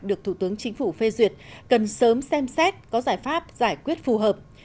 được thủ tướng chính phủ phê duyệt cần sớm xem xét có giải pháp giải quyết phù hợp